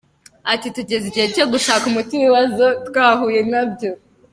Ati “Tugeze igihe cyo gushaka umuti w’ibibazo twahuye na byo.